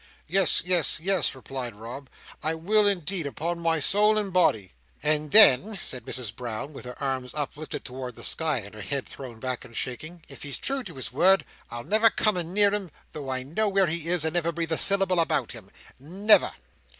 "Yes. Yes. Yes," replied Rob. "I will indeed, upon my soul and body." "And then," said Mrs Brown, with her arms uplifted towards the sky, and her head thrown back and shaking, "if he's true to his word, I'll never come a near him though I know where he is, and never breathe a syllable about him! Never!"